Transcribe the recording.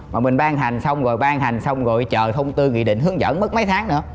mà mình ban hành xong rồi ban hành xong rồi chờ thông tư nghị định hướng dẫn mất mấy tháng nữa